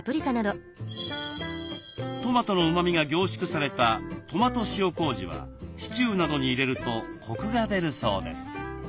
トマトのうまみが凝縮されたトマト塩こうじはシチューなどに入れるとコクが出るそうです。